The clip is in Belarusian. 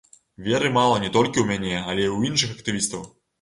Веры мала не толькі ў мяне, але і ў іншых актывістаў.